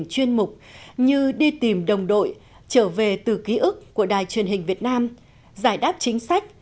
chuyên mục như đi tìm đồng đội trở về từ ký ức của đài truyền hình việt nam giải đáp chính sách